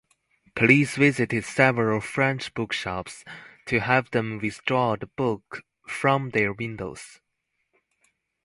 Police visited several French bookshops to have them withdraw the book from their windows.